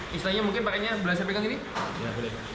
misalnya mungkin pakai belasnya pegang gini